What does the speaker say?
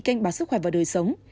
kênh bà sức khỏe vào đời sống